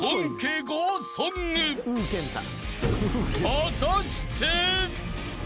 ［果たして？］